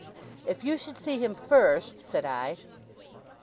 'If you should see him first ' said I.